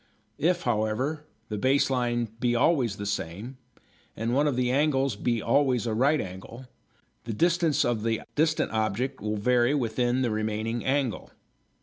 If, however, the base line be always the same, and one of the angles be always a right angle, the distance of the distant object will vary with the remaining angle.